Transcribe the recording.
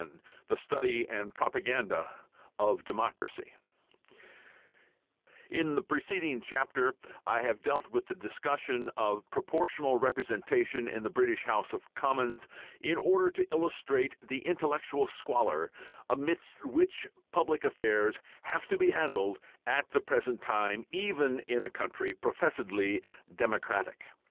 XI THE STUDY AND PROPAGANDA OF DEMOCRACY In the preceding chapter I have dealt with the discussion of Proportional Representation in the British House of Commons in order to illustrate the intellectual squalor amidst which public affairs have to be handled at the present time, even in a country professedly "democratic."